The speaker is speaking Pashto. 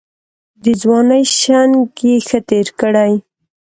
د ځوانۍ شنګ یې ښه تېر کړی.